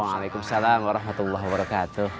waalaikumsalam warahmatullahi wabarakatuh